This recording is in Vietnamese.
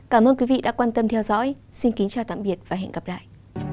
cảm ơn quý vị đã quan tâm theo dõi xin kính chào tạm biệt và hẹn gặp lại